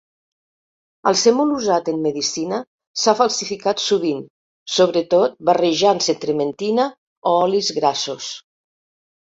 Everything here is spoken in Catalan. Al ser molt usat en medicina, s'ha falsificat sovint, sobretot barrejant-se trementina o olis grassos.